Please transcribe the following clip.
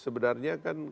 sebenarnya kan abjad itu